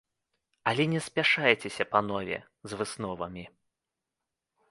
Але не спяшайцеся, панове, з высновамі.